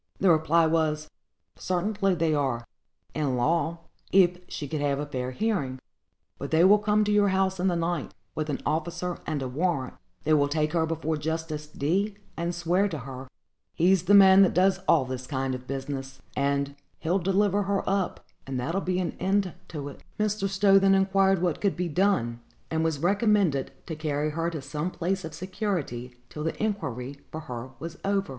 The reply was, "Certainly they are, in law, if she could have a fair hearing; but they will come to your house in the night, with an officer and a warrant; they will take her before Justice D——, and swear to her. He's the man that does all this kind of business, and, he'll deliver her up, and there'll be an end to it." Mr. Stowe then inquired what could be done; and was recommended to carry her to some place of security till the inquiry for her was over.